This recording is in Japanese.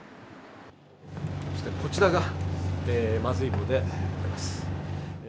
こちらがまずい棒でございます。